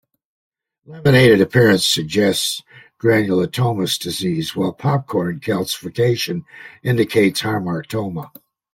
Laminated appearance suggests granulomatous disease while popcorn calcification indicates hamartoma.